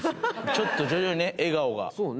ちょっと徐々にね、笑顔が。